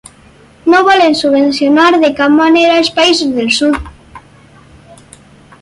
No volen subvencionar de cap manera els països del sud.